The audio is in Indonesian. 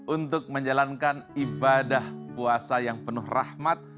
untuk menjalankan ibadah puasa yang penuh rahmat